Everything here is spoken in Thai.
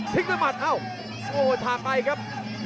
ทิ้งได้หมัดอ้าวส่วนทางไปครับ